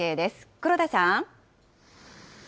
黒田さん。